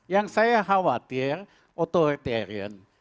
yang saya khawatir authoritarian